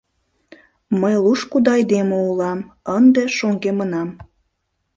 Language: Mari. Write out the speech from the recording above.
Мый лушкыдо айдеме улам, ынде шоҥгемынам.